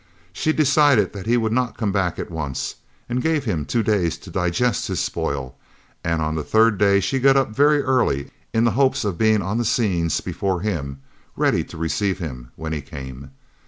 She decided that he would not come back at once, and gave him two days to digest his spoil, and on the third day she got up very early in the hopes of being on the scenes before him, ready to receive him when he came.